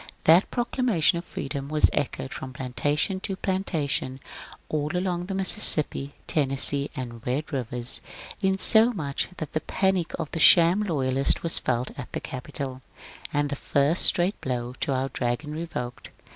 That proclama tion of freedom was echoed from plantation to plantation all along the Mississippi, Tennessee, and Bed rivers, insomuch that the panic of the sham loyalists was felt at the Capitol, aod the first straight blow at our dragon revoked.